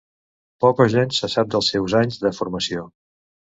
Poc o gens se sap dels seus anys de formació.